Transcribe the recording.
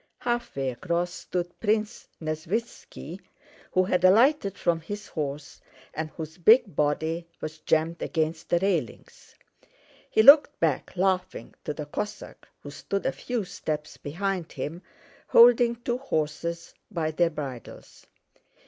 Halfway across stood Prince Nesvítski, who had alighted from his horse and whose big body was jammed against the railings. He looked back laughing to the Cossack who stood a few steps behind him holding two horses by their bridles.